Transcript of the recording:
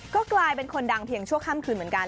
ก็กลายเป็นคนดังเพียงชั่วข้ามคืนเหมือนกัน